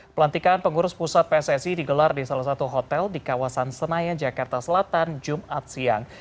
pelantikan pengurus pusat pssi digelar di salah satu hotel di kawasan senayan jakarta selatan jumat siang